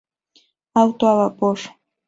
Auto a vapor